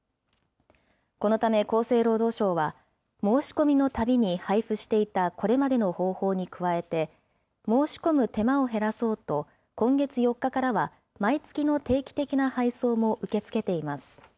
このため厚生労働省は、申し込みのたびに配布していたこれまでの方法に加えて、申し込む手間を減らそうと、今月４日からは、毎月の定期的な配送も受け付けています。